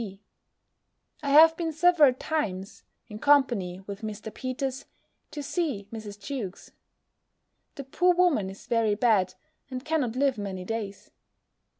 B., I have been several times (in company with Mr. Peters) to see Mrs. Jewkes. The poor woman is very bad, and cannot live many days.